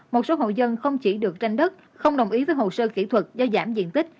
một số hộ dân không chỉ được tranh đất không đồng ý với hồ sơ kỹ thuật do giảm diện tích